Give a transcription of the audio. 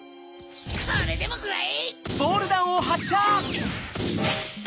これでもくらえ！